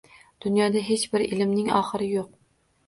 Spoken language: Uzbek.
Dunyoda hech bir ilmning oxiri yo’q